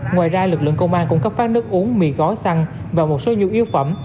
ngoài ra lực lượng công an cũng cấp phát nước uống mì gói xăng và một số nhu yếu phẩm